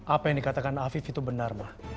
apa yang dikatakan afif itu benar